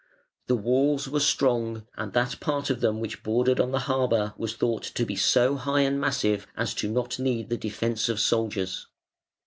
The walls were strong, and that part of them which bordered on the harbour was thought to be so high and massive as not to need the defence of soldiers.